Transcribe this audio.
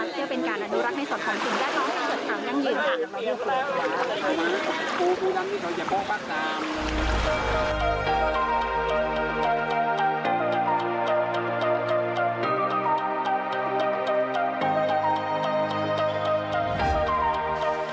คือเป็นการอนุรักษ์ในศพของสินทรย์ร้องทางสำนักยืนค่ะ